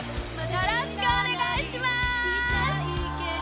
よろしくお願いします！